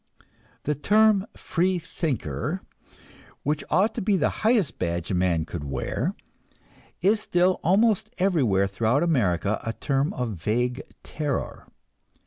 The term "free thinker," which ought to be the highest badge a man could wear, is still almost everywhere throughout America a term of vague terror.